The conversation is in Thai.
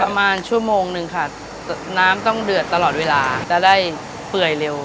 ประมาณชั่วโมงนึงค่ะน้ำต้องเดือดตลอดเวลาจะได้เปื่อยเร็ว